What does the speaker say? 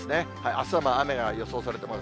あすは雨が予想されてます。